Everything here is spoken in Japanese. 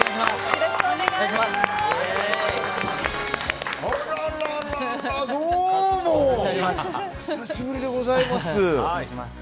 よろしくお願いします。